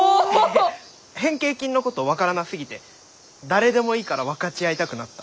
いや変形菌のこと分からなすぎて誰でもいいから分かち合いたくなった。